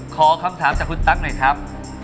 ขอคำถามจากคุณตั๊กหน่อยครับ